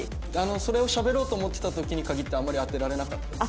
それをしゃべろうと思ってた時に限ってあまり当てられなかったです。